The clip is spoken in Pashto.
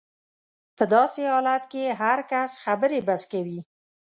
په داسې حالت کې هر کس خبرې بس کوي.